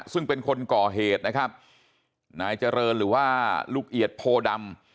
ซึ่งเป็นคนก่อเหตุนะครับนายเจริญหรือว่าลูกเอียดโพดำ